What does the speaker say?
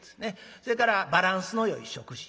それからバランスのよい食事。